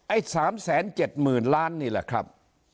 ไอ้๓๗๐๐๐ล้านนี่แหละครับ